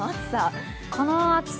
この暑さ。